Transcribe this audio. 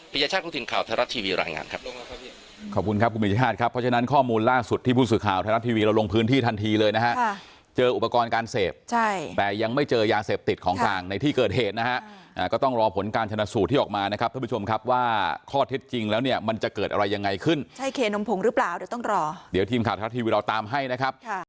พิจารชาติคุณทีมข่าวไทยรัฐทีวีรายงานครับ